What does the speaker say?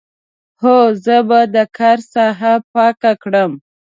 هو، زه به د کار ساحه پاک کړم.